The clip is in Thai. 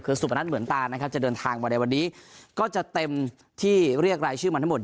คือสุพนัทเหมือนตานะครับจะเดินทางมาในวันนี้ก็จะเต็มที่เรียกรายชื่อมันทั้งหมด